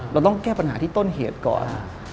เราต้องแก้ปัญหาที่ต้นเหตุก่อน